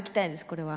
これは。